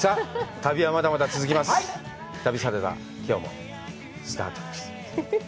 旅サラダ、きょうもスタートです。